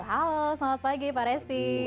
halo selamat pagi pak resti